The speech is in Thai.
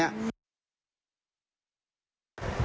อีกอย่าง